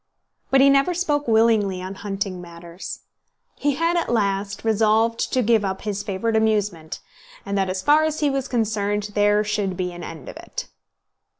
But he never spoke willingly on hunting matters. He had at last resolved to give up his favourite amusement, and that as far as he was concerned there should be an end of it.